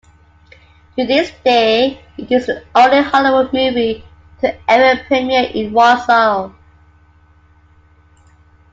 To this day, it is the only Hollywood movie to ever premiere in Wausau.